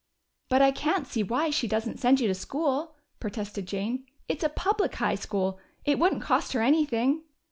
"But I can't see why she doesn't send you to school," protested Jane. "It's a public high school. It wouldn't cost her anything."